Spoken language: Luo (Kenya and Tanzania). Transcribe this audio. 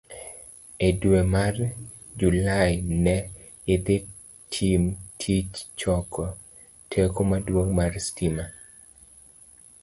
E dwe mar Julai, ne idhi tim tij choko teko maduong' mar stima.